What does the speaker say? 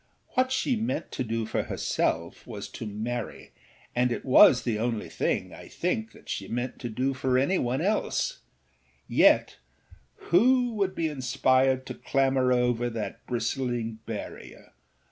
What she meant to do for herself was to marry, and it was the only thing, I think, that she meant to do for any one else; yet who would be inspired to clamber over that bristling barrier?